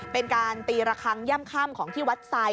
เป็นการตีระคังย่ำค่ำของที่วัดไซด